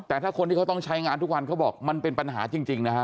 แต่ถ้าคนที่เขาต้องใช้งานทุกวันเขาบอกมันเป็นปัญหาจริงนะฮะ